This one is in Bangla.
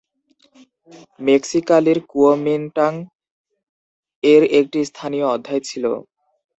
মেক্সিকালির কুওমিনটাং এর একটি স্থানীয় অধ্যায় ছিল।